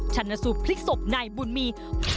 ชนะสูตรพลิกศพนายบุญมี